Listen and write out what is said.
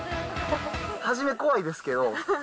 初め、怖いですけど。